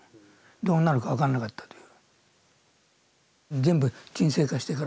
どうなるか分からなかったという。